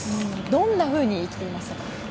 どんなふうに生きていましたか？